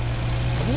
あれ？